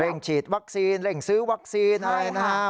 ฉีดวัคซีนเร่งซื้อวัคซีนอะไรนะครับ